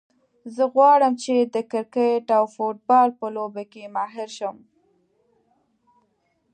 زه غواړم چې د کرکټ او فوټبال په لوبو کې ماهر شم